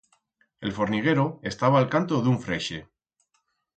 El forniguero estaba a'l canto d'un freixe